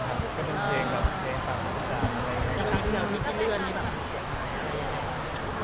ก็เป็นทางแรกครับผม